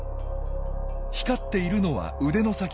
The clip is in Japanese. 光っているのは腕の先。